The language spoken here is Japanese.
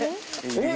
えっ？